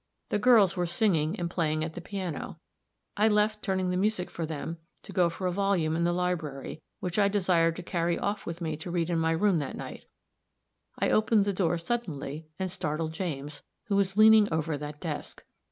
The girls were singing and playing at the piano; I left turning the music for them to go for a volume in the library which I desired to carry off with me to read in my room that night; I opened the door suddenly, and startled James, who was leaning over that desk.